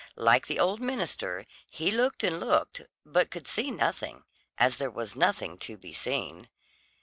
Like the old minister, he looked and looked but could see nothing, as there was nothing to be seen.